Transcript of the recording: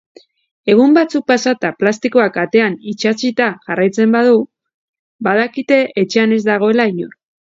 Egun batzuk pasata plastikoak atean itsatsita jarraitzen badu, badakite etxean ez dagoela inor.